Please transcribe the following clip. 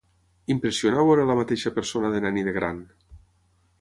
Impressiona veure la mateixa persona de nen i de gran!